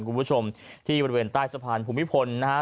คุณผู้ชมที่บริเวณใต้สะพานภูมิพลนะฮะ